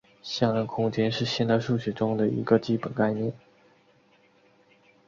向量空间是现代数学中的一个基本概念。